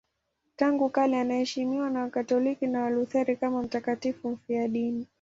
Tangu kale anaheshimiwa na Wakatoliki na Walutheri kama mtakatifu mfiadini.